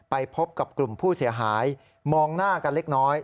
ไปพบกับกลุ่มผู้เสียหายมองหน้ากันเล็กน้อย